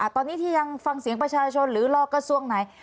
ตอนนี้ที่ยังฟังเสียงประชาชนหรือรอกระทรวงไหน